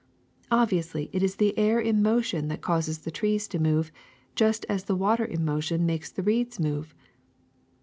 Obviously it is the air in motion that causes the trees to move, just as the water in motion makes the reeds move.